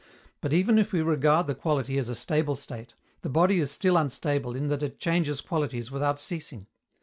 But, even if we regard the quality as a stable state, the body is still unstable in that it changes qualities without ceasing.